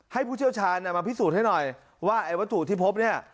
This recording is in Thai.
ผู้เชี่ยวชาญมาพิสูจน์ให้หน่อยว่าไอ้วัตถุที่พบเนี่ย